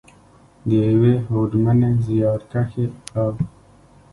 ، د یوې هوډمنې، زیارکښې او .